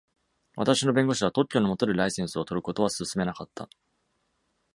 私の弁護士は、特許のもとでライセンスを取ることは進めなかった。